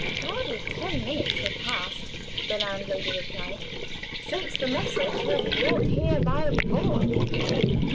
"Hardly ten minutes have passed," the landlady replied, "since that message was brought here by a boy."